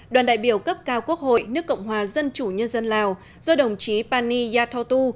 đoàn đại biểu cấp cao quốc hội nước cộng hòa dân chủ nhân dân lào do đồng chí pani yathotu